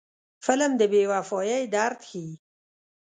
فلم د بې وفایۍ درد ښيي